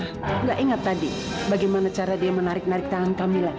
nggak ingat tadi bagaimana cara dia menarik narik tangan kamila